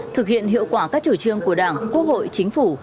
thực hiện hiệu quả các chủ trương của đảng quốc hội chính phủ